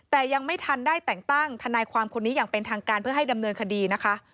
แต่ยังไม่ทันได้แต่งตั้งทนายความคนนี้อย่างเป็นทางการเพื่อให้ดำเนินคดีนะคะ